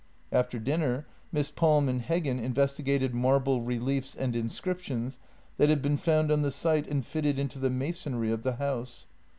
After dinner Miss Palm and Heggen investigated marble reliefs and inscriptions that had been found on the site and fitted into the masonry of the house.